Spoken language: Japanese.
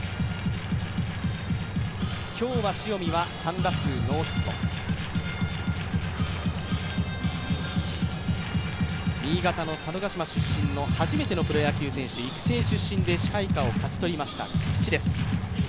今日、塩見は３打数ノーヒット新潟の佐渡島出身の初めてのプロ野球選手、育成出身で支配下を勝ち取りました、菊地です。